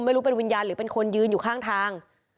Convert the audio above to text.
ไม่รู้เป็นวิญญาณหรือเป็นคนยืนอยู่ข้างทาง